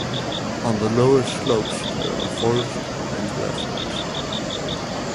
On the lower slopes there are forests and grasslands.